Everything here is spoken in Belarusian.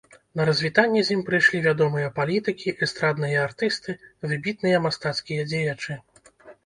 На развітанне з ім прыйшлі вядомыя палітыкі, эстрадныя артысты, выбітныя мастацкія дзеячы.